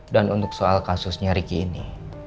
dan untuk soal kasusnya ricky ini